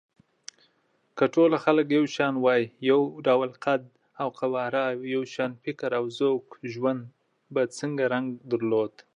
که ټوله خلک يو شان وای، يو ډول قد او قواره، او يو شان فکر او ذوق، نو ژوند په څنګه رنګ درلود؟